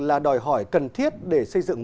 là đòi hỏi cần thiết để xây dựng